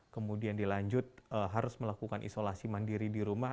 kemudian dilanjut harus melakukan isolasi mandiri di rumah